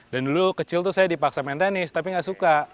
dan dulu kecil saya dipaksa main tenis tapi gak suka